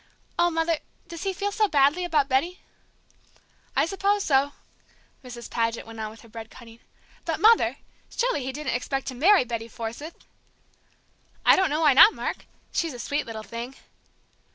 Oh, Mother, does he feel so badly about Betty?" "I suppose so!" Mrs. Paget went on with her bread cutting. "But, Mother, surely he didn't expect to marry Betty Forsythe?" "I don't know why not, Mark. She's a sweet little thing."